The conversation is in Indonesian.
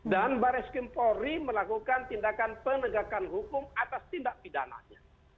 dan baris kempori melakukan tindakan penegakan hukum atas tindak pidananya